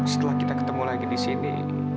setelah kita ketemu lagi di sini